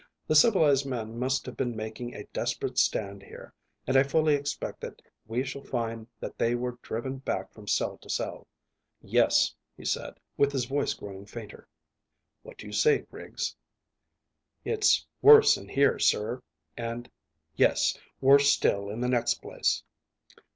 The civilised men must have been making a desperate stand here, and I fully expect that we shall find that they were driven back from cell to cell. Yes," he said, with his voice growing fainter. "What do you say, Griggs?" "It's worse in here, sir, and yes, worse still in the next place."